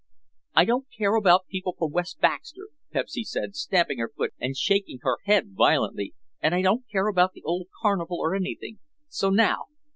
"I don't care about people from West Baxter," Pepsy said, stamping her foot and shaking her head violently, "and I don't care about the old carnival or anything—so now.